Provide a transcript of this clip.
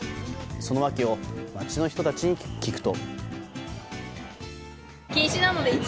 その訳を街の人たちに聞くと。